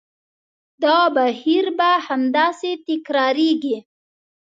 دا بهیر به همداسې تکرارېږي.